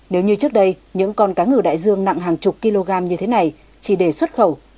nếu như trước đây những con cá ngừ đại dương nặng hàng chục kg như thế này chỉ để xuất khẩu